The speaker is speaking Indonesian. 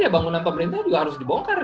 bangunan pemerintah juga harus dibongkar